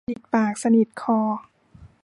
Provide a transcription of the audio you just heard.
สนิทปากสนิทคอ